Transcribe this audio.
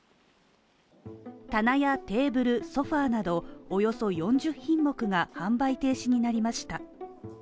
棚やテーブル、ソファなどおよそ４０品目が販売停止になりました。